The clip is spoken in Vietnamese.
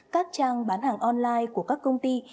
các trang bán hàng online của các công ty